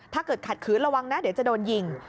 ถ้าเกิดขัดขืนระวังนะเดี๋ยวจะโดนยิง